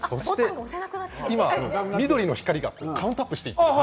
今、緑の光がカウントアップしています。